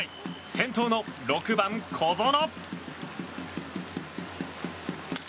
先頭の６番、小園。